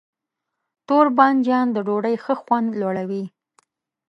تور بانجان د ډوډۍ ښه خوند لوړوي.